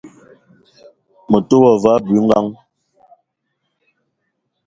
Me te wa ve abui-ngang